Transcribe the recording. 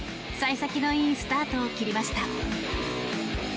幸先のいいスタートを切りました。